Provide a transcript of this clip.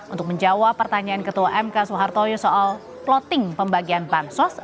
untuk menjawab pertanyaan ketua mk suharto yo soal plotting pembagian bansus